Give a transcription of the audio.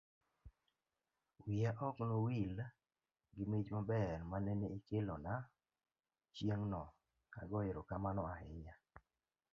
wiya ok no wil gi mich maber manene ikelona chieng'no. agoyo erokamano ahinya